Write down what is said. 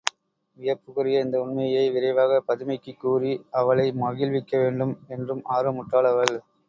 வியப்புக்குரிய இந்த உண்மையை விரைவாகப் பதுமைக்குக் கூறி அவளை மகிழ்விக்க வேண்டும் என்றும் ஆர்வமுற்றாள் அவள்.